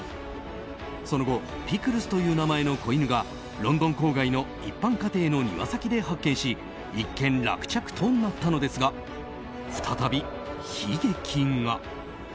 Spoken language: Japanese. その後ピクルスという名前の子犬がロンドン郊外の一般家庭の庭先で発見し一件落着となったのですが再び悲劇が。